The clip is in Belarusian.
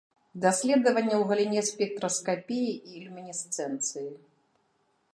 Даследаванні ў галіне спектраскапіі і люмінесцэнцыі.